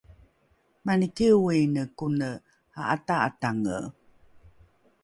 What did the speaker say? mani kioine kone a’ata’atange